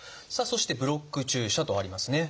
そして「ブロック注射」とありますね。